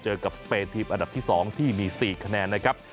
เจอกับสเปนทีมอันดับที่๒ที่มี๔คะแนนนะครับ